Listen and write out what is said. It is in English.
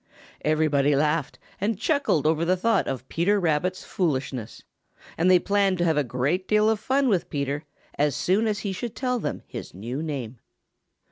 Everybody laughed and chuckled over the thought of Peter Rabbit's foolishness, and they planned to have a great deal of fun with Peter as soon as he should tell them his new name.